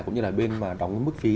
cũng như là bên đóng mức phí